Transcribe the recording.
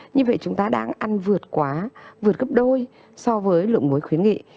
như vậy chúng ta đang ăn vượt quá vượt gấp đôi so với lượng mối khuyến nghị